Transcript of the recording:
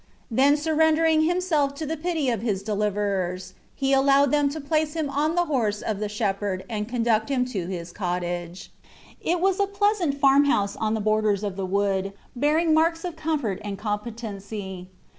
Then surrendering himself to the pity of his deliverers, he allowed them to place him on the horse of the shepherd, and conduct him to his cottage. It was a pleasant farmhouse on the borders of the wood, bearing marks of comfort and competency.